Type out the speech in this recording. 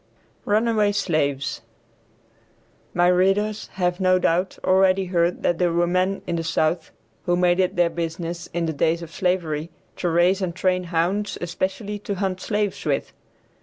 RUNAWAY SLAVES. My readers, have, no doubt, already heard that there were men in the South who made it their business in the days of slavery to raise and train hounds especially to hunt slaves with.